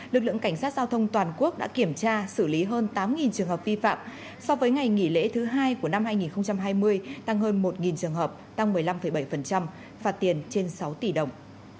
lực lượng cảnh sát giao thông toàn quốc đã kiểm tra xử lý hơn tám trường hợp vi phạm so với ngày nghỉ lễ thứ hai của năm hai nghìn hai mươi tăng hơn một trường hợp tăng một mươi năm bảy phạt tiền trên sáu tỷ đồng